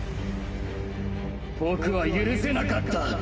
僕は許せなかった！